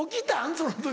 その時。